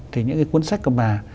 thì những cái cuốn sách của bà